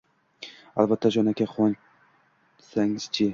Albatta, jon aka, quvonsangiz-chi!